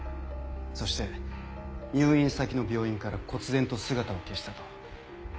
そして入院先の病院から忽然と姿を消したと。